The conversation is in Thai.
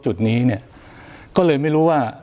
จุดนี้เนี่ยก็เลยไม่รู้ว่า